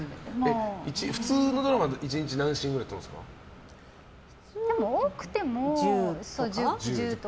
普通のドラマだと１日何シーンくらい多くても１０とか。